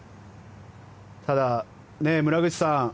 ただ、村口さん